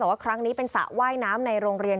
แต่ว่าครั้งนี้เป็นสระว่ายน้ำในโรงเรียน